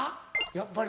やっぱり。